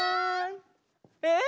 えっ！